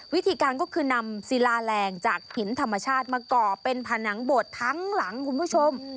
วิธีการก็คือนำศิลาแรงจากหินธรรมชาติมาก่อเป็นผนังโบดทั้งหลังคุณผู้ชม